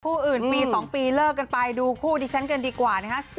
คู่อื่นปี๒ปีเลิกกันไปดูคู่ดิฉันกันดีกว่านะฮะ